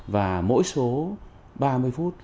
và mỗi số ba mươi phút